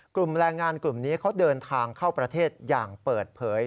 กลุ่มแรงงานกลุ่มนี้เขาเดินทางเข้าประเทศอย่างเปิดเผย